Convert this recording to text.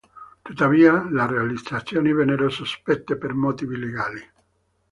Tuttavia le realizzazioni vennero sospese per motivi legali.